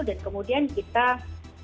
dan kemudian kita berberaskan ya